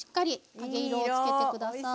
揚げ色をつけてください。